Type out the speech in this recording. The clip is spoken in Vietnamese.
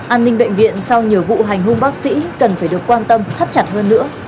an ninh bệnh viện sau nhiều vụ hành hung bác sĩ cần phải được quan tâm thắt chặt hơn nữa